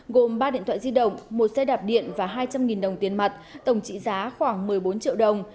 gồm ba điện thoại di động một xe đạp điện và hai trăm linh đồng tiền mặt tổng trị giá khoảng một mươi bốn triệu đồng